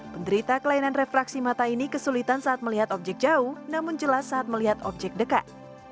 penderita kelainan refraksi mata ini kesulitan saat melihat objek jauh namun jelas saat melihat objek dekat